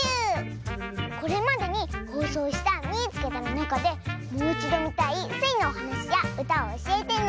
これまでにほうそうした「みいつけた！」のなかでもういちどみたいスイのおはなしやうたをおしえてね！